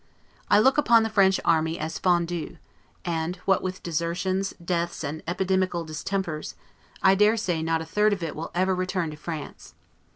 I look upon the French army as 'fondue'; and, what with desertion, deaths, and epidemical distempers, I dare say not a third of it will ever return to France.